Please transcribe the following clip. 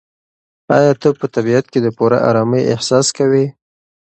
ایا ته په طبیعت کې د پوره ارامۍ احساس کوې؟